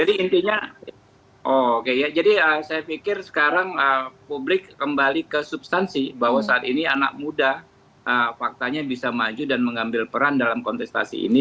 jadi intinya oke ya jadi saya pikir sekarang publik kembali ke substansi bahwa saat ini anak muda faktanya bisa maju dan mengambil peran dalam kontestasi ini